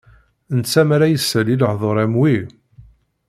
Netta mi ara isel i lehdur am wi.